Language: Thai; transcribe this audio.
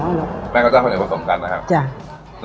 แป้งข้าวเจ้าข้าวเหนียวผสมกันนะครับ